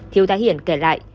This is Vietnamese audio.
thiếu tá hiển kể lại